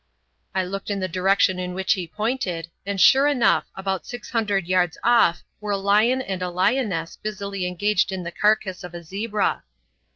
I looked in the direction in which he pointed, and sure enough, about six hundred yards off were a lion and a lioness busily engaged on the carcase of a zebra.